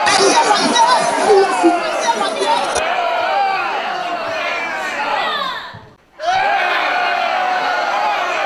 Grant initially refused to meet them but later relented.